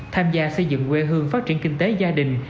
tham gia xây dựng quê hương phát triển kinh tế gia đình